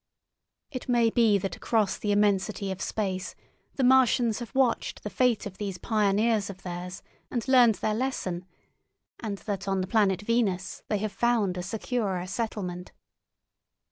It may be that across the immensity of space the Martians have watched the fate of these pioneers of theirs and learned their lesson, and that on the planet Venus they have found a securer settlement.